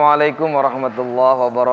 assalamualaikum warahmatullahi wabarakatuh